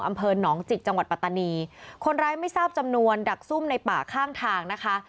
อำเภอหนองจิกจังหวัดปัตตานีคนร้ายไม่ทราบจำนวนดักซุ่มในป่าข้างทางนะคะ